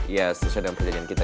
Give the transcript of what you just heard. ya sesuai dengan perjanjian kita